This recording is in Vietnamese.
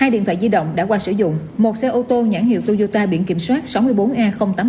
hai điện thoại di động đã qua sử dụng một xe ô tô nhãn hiệu toyota biển kiểm soát sáu mươi bốn a tám nghìn một trăm sáu mươi tám